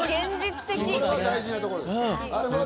これが大事なところです。